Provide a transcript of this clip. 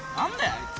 あいつ。